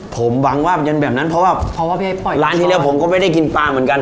ผมหวังว่าเป็นแบบนั้นเพราะว่าเพราะว่าพี่เอ๊ปล่อยร้านที่แล้วผมก็ไม่ได้กินปลาเหมือนกัน